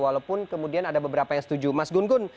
walaupun kemudian ada beberapa yang setuju mas gunggun